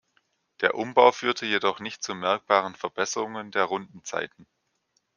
Der Umbau führte jedoch nicht zu merkbaren Verbesserungen der Rundenzeiten.